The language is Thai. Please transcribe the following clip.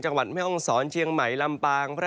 เจองวัดเมห่องศรเชียงใหม่ลำปาง